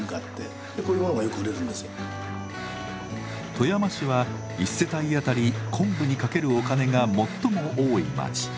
富山市は一世帯当たり昆布にかけるお金が最も多い町。